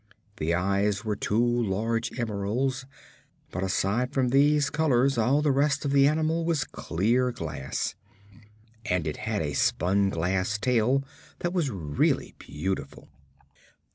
The eyes were two large emeralds, but aside from these colors all the rest of the animal was clear glass, and it had a spun glass tail that was really beautiful.